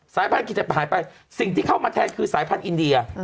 พันธุกิจจะหายไปสิ่งที่เข้ามาแทนคือสายพันธุ์อินเดีย